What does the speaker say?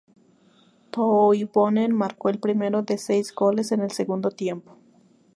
Toivonen marcó el primero de seis goles en el segundo tiempo.